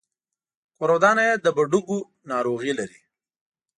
کورودانه يې د بډوګو ناروغي لري.